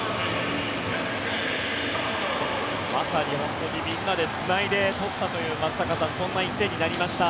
まさにみんなでつないで取ったというそんな１点になりました。